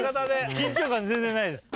緊張感全然ないです。